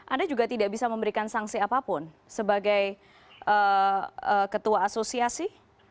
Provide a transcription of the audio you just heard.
anda juga tidak bisa memberikan sanksi apapun sebagai ketua asosiasi